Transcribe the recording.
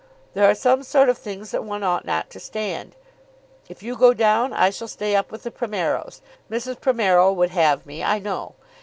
There are some sort of things that one ought not to stand. If you go down I shall stay up with the Primeros. Mrs. Primero would have me I know.